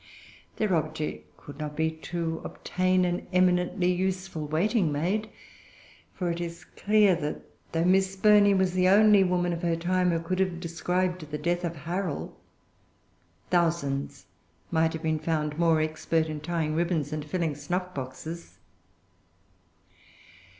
Their object could not be to obtain an eminently useful waiting maid; for it is clear that, though Miss Burney was the only woman of her time who could have described the death of Harrel, thousands might have been found more expert in tying ribbons and filling snuff boxes.